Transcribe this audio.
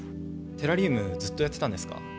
テラリウムずっとやってたんですか？